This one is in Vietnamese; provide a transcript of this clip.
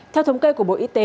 theo thống kê của bộ y tế